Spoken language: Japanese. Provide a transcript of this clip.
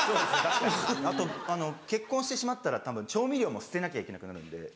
あと結婚してしまったらたぶん調味料も捨てなきゃいけなくなるんで。